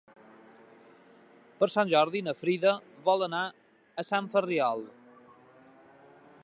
Per Sant Jordi na Frida vol anar a Sant Ferriol.